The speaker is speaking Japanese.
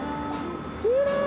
きれい！